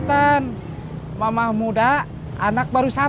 kenapa greens real life dan koordinatif yah